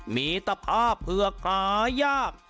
มีตภาพเพื่อขายาก